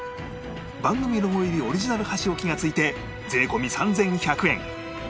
番組ロゴ入りオリジナル箸置きが付いて税込３１００円